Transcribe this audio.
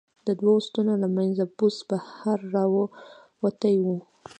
د دوو ستنو له منځه بوس بهر را وتي و.